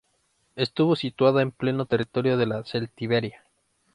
Estuvo situada en pleno territorio de la celtiberia.